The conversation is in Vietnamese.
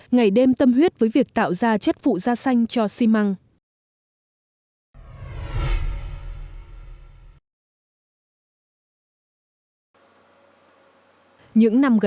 ngày đêm tâm huyết với việc tạo ra chất phụ da xanh cho xi măng